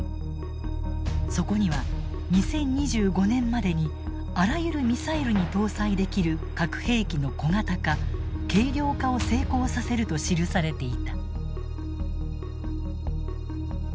そこには２０２５年までにあらゆるミサイルに搭載できる核兵器の小型化軽量化を成功させると記されていた。